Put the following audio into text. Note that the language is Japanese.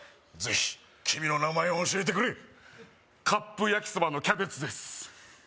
ぜひ君の名前を教えてくれカップ焼きそばのキャベツです